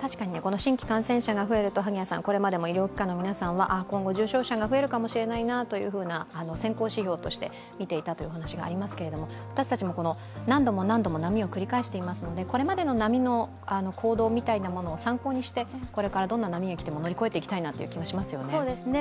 確かに新規感染者が増えるとこれまでも医療機関の皆さんは今後、重症者が増えるかもしれないなという先行指標として見ていたという話がありますが、私たちも何度も何度も波を繰り返していますのでこれまでの波の行動みたいなものを参考にしてこれからどんな波が来ても乗り越えていきたいなと思いますよね。